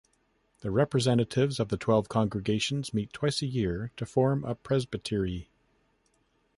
The representatives of the twelve congregations meet twice a year to form a presbytery.